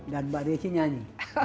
dan mbak desi nyanyi